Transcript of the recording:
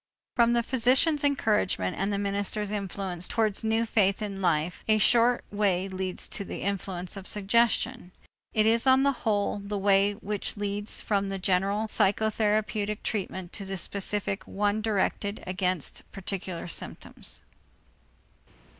From the physician's encouragement and the minister's influence towards new faith in life, a short way leads to the influence of suggestion. It is on the whole the way which leads from the general psychotherapeutic treatment to the specific one directed against particular symptoms.